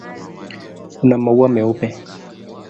Una maua meupe.